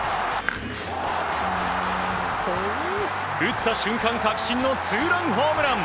打った瞬間確信のツーランホームラン。